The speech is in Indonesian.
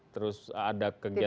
terus ada kegiatan